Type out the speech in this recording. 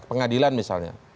ya pengadilan misalnya